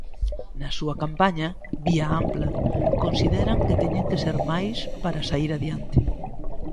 Na súa campaña, Vía ampla, consideran que teñen que ser máis para saír adiante.